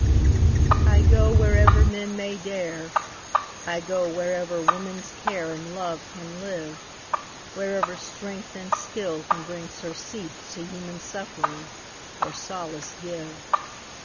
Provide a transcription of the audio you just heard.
I go wherever men may dare, I go wherever woman's care And love can live, Wherever strength and skill can bring Surcease to human suffering, Or solace give.